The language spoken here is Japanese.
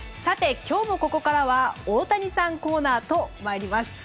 今日のここからは大谷さんコーナーと参ります。